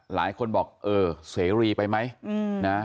หลายคนบอกเออเสรีไปไหมนะ